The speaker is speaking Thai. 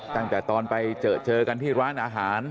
ตั้งแต่ตอนไปเจอกันที่ร้านอาหาร